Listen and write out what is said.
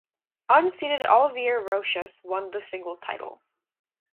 Unseeded Olivier Rochus won the singles title.